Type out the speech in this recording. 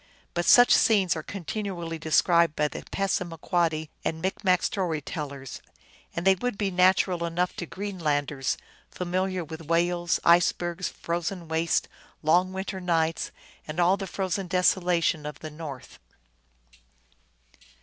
But such scenes are continually described by the Passama quoddy and Micmac story tellers, and they would be natural enough to Greenlanders, familiar with whales, icebergs, frozen wastes, long winter nights, and all the frozen desolation of the north.